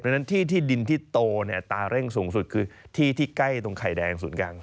เพราะฉะนั้นที่ที่ดินที่โตเนี่ยตาเร่งสูงสุดคือที่ที่ใกล้ตรงไข่แดงศูนย์กลาง